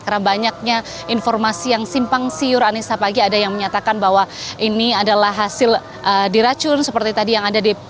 karena banyaknya informasi yang simpang siur anissa pagi ada yang menyatakan bahwa ini adalah hasil diracun seperti tadi yang ada di jawa barat